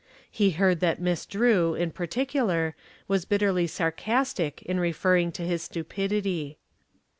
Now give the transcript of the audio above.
He heard that Miss Drew, in particular, was bitterly sarcastic in referring to his stupidity.